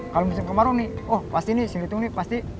kalau musim kemaru nih oh pasti nih singgung nih pasti